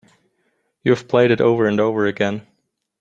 You've played it over and over again.